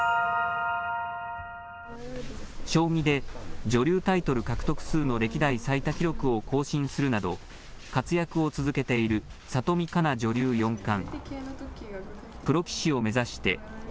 将棋で女流タイトル獲得数の最多記録を更新するなど、活躍を続けている里見かな女流四冠。